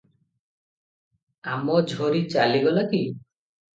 ଆମଝରୀ ଚାଲିଗଲା କି?